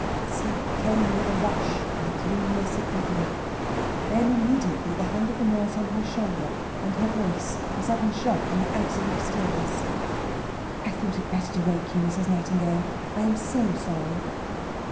Sleep came with a rush, and dreamless oblivion. Then, immediately, the hand of the nurse on her shoulder, and her voice, a sudden shock in the absolute stillness: "I thought it better to wake you, Mrs. Nightingale. I am so sorry...."